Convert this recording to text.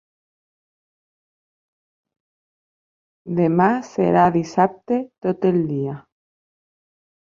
Demà serà dissabte tot el dia.